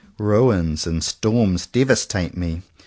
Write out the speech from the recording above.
Rains and storms devastate me.